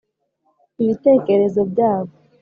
ibitekerezo byabo